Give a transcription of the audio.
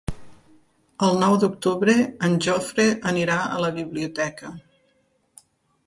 El nou d'octubre en Jofre anirà a la biblioteca.